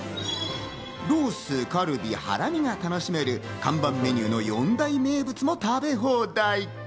ロース、カルビ、ハラミが楽しめる看板メニューの４大名物も食べ放題。